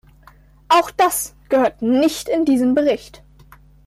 Auch das gehört nicht in diesen Bericht.